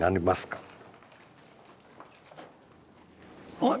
あっ！